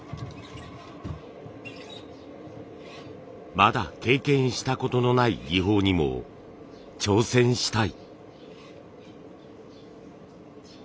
まだ経験したことのない技法にも挑戦したい。